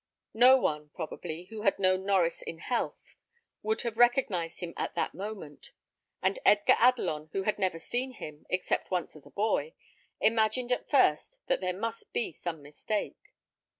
No one, probably, who had known Norries in health, would have recognised him at that moment; and Edgar Adelon who had never seen him, except once as a boy, imagined at first that there must be some mistake.